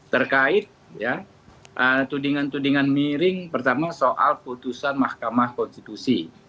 terkait tudingan tudingan miring pertama soal putusan mahkamah konstitusi